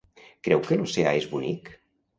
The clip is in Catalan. Creu que l'oceà és bonic?